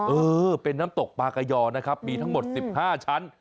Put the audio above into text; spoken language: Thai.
เออเป็นน้ำตกปลากะยอนะครับมีทั้งหมด๑๕ชั้น